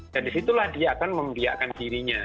dan disitulah dia akan membiakkan dirinya